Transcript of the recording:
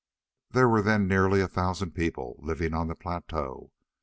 There were then nearly a thousand people living on the plateau.